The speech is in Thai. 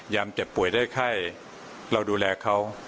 เจ็บป่วยได้ไข้เราดูแลเขา